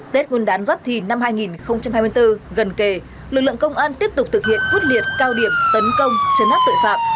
tết nguồn đán giấc thì năm hai nghìn hai mươi bốn gần kề lực lượng công an tiếp tục thực hiện huyết liệt cao điểm tấn công chấn hát tội phạm